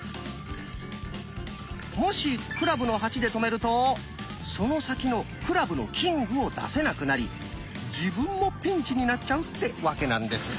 もし「クラブの８」で止めるとその先の「クラブのキング」を出せなくなり自分もピンチになっちゃうって訳なんです。